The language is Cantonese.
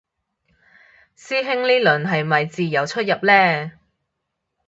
師兄呢輪係咪自由出入嘞